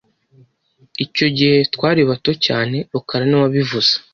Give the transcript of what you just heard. Icyo gihe twari bato cyane rukara niwe wabivuze